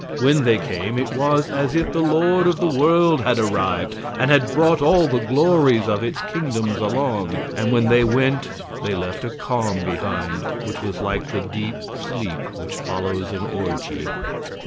When they came it was as if the lord of the world had arrived, and had brought all the glories of its kingdoms along; and when they went they left a calm behind which was like the deep sleep which follows an orgy.